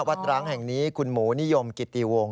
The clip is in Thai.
วัดรังแห่งนี้คุณหมูนิยมกิตตีวงต์